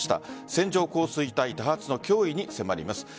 線状降水帯多発の脅威に迫ります。